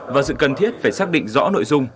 và sự cần thiết phải xác định rõ nội dung